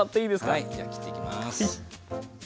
はいじゃ切っていきます。